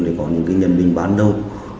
để có những nhân linh bán đầu